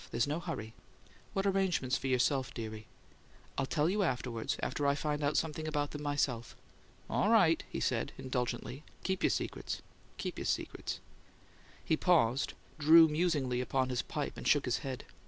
There's no hurry." "What arrangements for yourself, dearie?" "I'll tell you afterwards after I find out something about 'em myself." "All right," he said, indulgently. "Keep your secrets; keep your secrets." He paused, drew musingly upon his pipe, and shook his head.